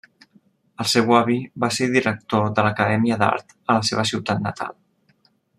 El seu avi va ser director de l'Acadèmia d'Art a la seva ciutat natal.